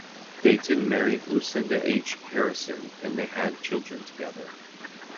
Dayton married Lucinda H. Harrison and they had children together.